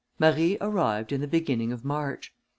Marie arrived in the beginning of March.